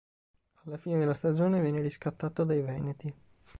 Alla fine della stagione viene riscattato dai veneti.